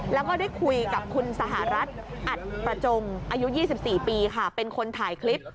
แล้วก็ได้คุยกับคุณสหรัฐอัดประจงอายุ๒๔ปีค่ะเป็นคนถ่ายคลิป